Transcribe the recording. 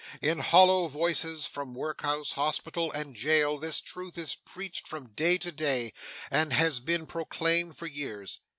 In hollow voices from Workhouse, Hospital, and jail, this truth is preached from day to day, and has been proclaimed for years.